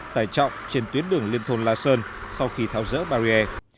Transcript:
tải trọng trên tuyến đường liên thôn la sơn sau khi tháo rỡ barrier